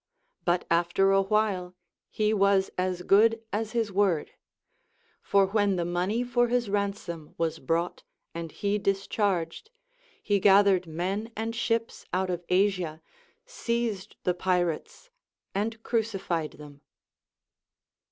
But after a while he was as good as his word ; for when the monev for his ransom was brought and he discharged, he gathered men and ships out of Asia, seized the pirates and crucified them.